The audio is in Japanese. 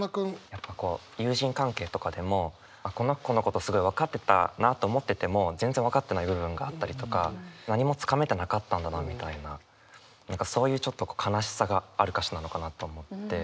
やっぱこう友人関係とかでもこの子のことすごい分かってたなと思ってても全然分かってない部分があったりとか何も掴めてなかったんだなみたいなそういうちょっと悲しさがある歌詞なのかなと思って。